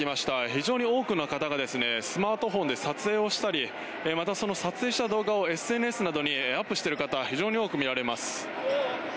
非常に多くの方がですねスマートフォンで撮影をしたりまた、その撮影した動画をＳＮＳなどにアップしている方が非常に多く見られます。